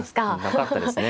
なかったですね。